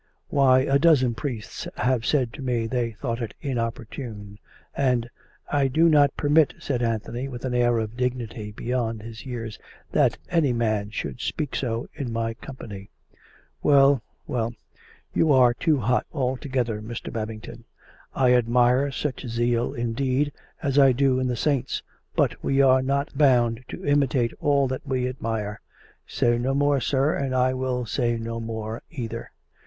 Why, a dozen priests have said to me they thought it in opportune; and "" I do not permit," said Anthony with an air of dignity beyond his years, " that any man should speak so in my company." " Well, well ; you are too hot altogether, Mr. Babington. I admire such zeal indeed, as I do in the saints ; but we are not bound to imitate all that we admire. Say no more, sir; and I will say no more either."